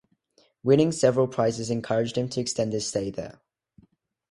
Winning several prizes encouraged him to extend his stay there.